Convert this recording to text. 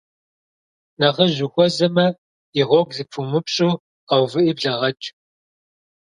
Нэхъыжь ухуэзэмэ, и гъуэгу зэпумыупщӏу, къэувыӏи блэгъэкӏ.